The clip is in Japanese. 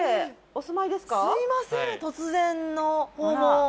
すいません突然の訪問。